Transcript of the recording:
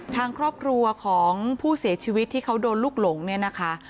ทางครอบครัวของผู้เสียชีวิตที่เขาโดนลูกหลงเนี่ยนะคะ